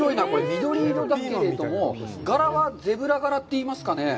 緑色ですけれども、柄はゼブラ柄って言いますかね。